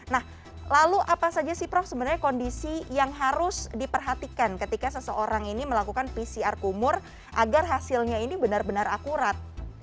nah lalu apa saja sih prof sebenarnya kondisi yang harus diperhatikan ketika seseorang ini melakukan pcr kumur agar hasilnya ini benar benar akurat